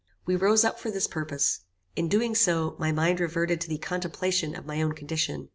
We rose up for this purpose. In doing this, my mind reverted to the contemplation of my own condition.